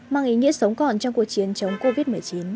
mang ý nghĩa sống còn trong cuộc chiến chống covid một mươi chín